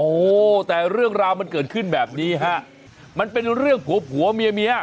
โอ้แต่เรื่องราวมันเกิดขึ้นแบบนี้ฮะมันเป็นเรื่องผัวผัวเมียเมีย